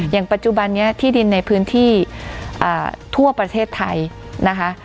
อย่างปัจจุบันนี้ที่ดินในพื้นที่ทั่วประเทศไทยนะคะ